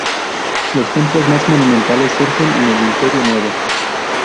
Los templos más monumentales surgen en el Imperio Nuevo.